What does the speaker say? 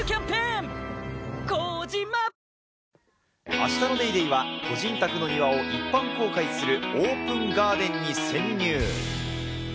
明日の『ＤａｙＤａｙ．』は個人宅の庭を一般公開するオープンガーデンに潜入。